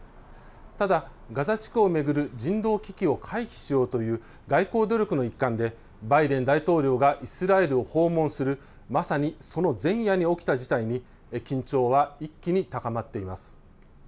ただガザ地区を巡る人道危機を回避しようという外交努力の一環でバイデン大統領がイスラエルを訪問するまさにその前夜に起きた事態に緊張は一気に高まっています。